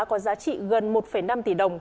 có giá trị gần một năm tỷ đồng